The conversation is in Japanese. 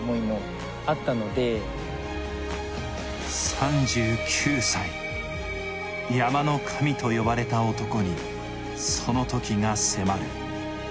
３９歳、山の神と呼ばれた男にその時が迫る。